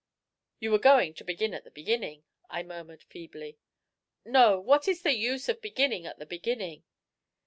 "You were going to begin at the beginning," I murmured feebly. "No! What is the use of beginning at the beginning?"